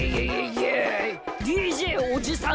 ＤＪおじさんです！